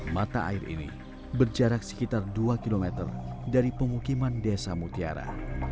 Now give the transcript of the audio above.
mata air ini berjarak sekitar dua km dari pemukiman desa mutiara